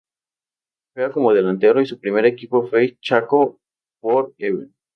Juega como delantero y su primer equipo fue Chaco For Ever.